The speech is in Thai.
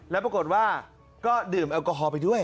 แล้วปรากฏว่าก็ดื่มแอลกอฮอล์ไปด้วย